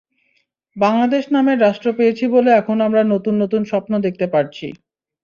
বাংলাদেশ নামের রাষ্ট্র পেয়েছি বলে এখন আমরা নতুন নতুন স্বপ্ন দেখতে পারছি।